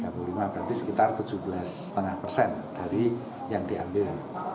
tiga puluh lima berarti sekitar tujuh belas lima persen dari yang diambil